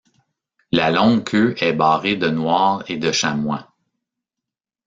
La longue queue est barrée de noir et de chamois.